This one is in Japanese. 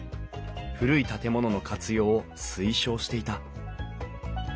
古い建物の活用を推奨していた